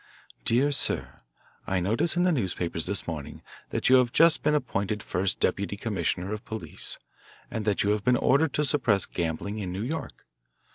"Dear Sir: I notice in the newspapers this morning that you have just been appointed first deputy commissioner of police and that you have been ordered to suppress gambling in New York.